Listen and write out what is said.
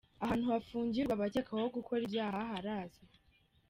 Ahantu hafungirwa abakekwaho gukora ibyaha harazwi.